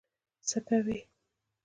څه کوي.